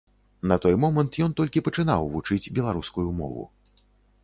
На той момант ён толькі пачынаў вучыць беларускую мову.